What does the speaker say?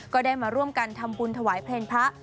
ก็ได้มาร่วมกันทำบุญถวายเพลงพระ